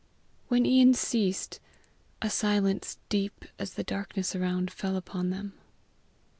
When Ian ceased, a silence deep as the darkness around, fell upon them.